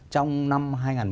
trong năm hai nghìn một mươi tám